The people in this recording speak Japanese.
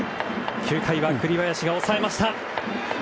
９回は栗林が抑えました。